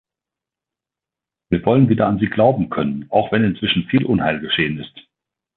Wir wollen wieder an Sie glauben können, auch wenn inzwischen viel Unheil geschehen ist.